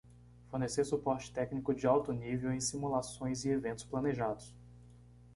Fornecer suporte técnico de alto nível em simulações e eventos planejados.